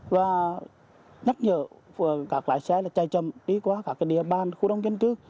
và nhắc nhở các lái xe chạy chậm đi qua các địa bàn khu đông dân cư